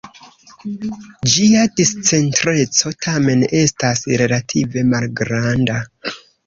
Ĝia discentreco tamen estas relative malgranda.